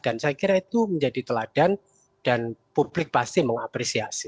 saya kira itu menjadi teladan dan publik pasti mengapresiasi